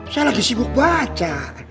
saya lagi sibuk baca